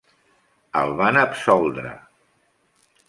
El van absoldre.